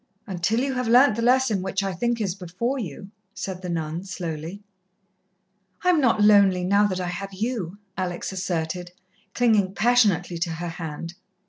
"Until you have learnt the lesson which I think is before you," said the nun slowly. "I am not lonely now that I have you," Alex asserted, clinging passionately to her hand.